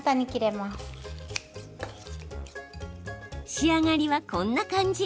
仕上がりは、こんな感じ。